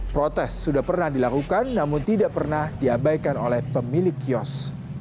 protes sudah pernah dilakukan namun tidak pernah diabaikan oleh pemilik kios